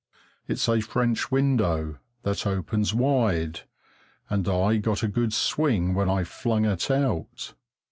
It's a French window, that opens wide, and I got a good swing when I flung it out.